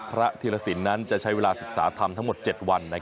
พระธิรษินทร์นั้นจะใช้เวลาศึกษาทำทั้งหมด๗วัน